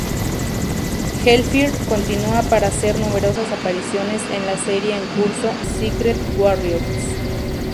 Hellfire continúa para hacer numerosas apariciones en la serie en curso, Secret Warriors.